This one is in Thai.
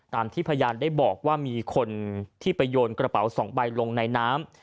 ตามที่พยานได้บอกว่ามีคนที่ไปโยนกระเป๋า๒ใบลงในน้ำ